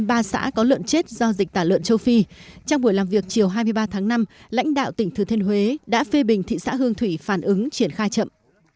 ba xã có lợn chết do dịch tả lợn châu phi trong buổi làm việc chiều hai mươi ba tháng năm lãnh đạo tỉnh thừa thiên huế đã phê bình thị xã hương thủy phản ứng triển khai chậm